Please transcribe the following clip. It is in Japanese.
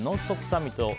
サミット。